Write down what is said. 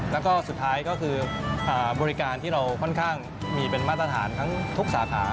แล้วก็สุดท้ายก็คือบริการที่เราค่อนข้างมีเป็นมาตรฐานทั้งทุกสาขา